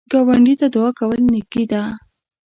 ګاونډي ته دعا کول نیکی ده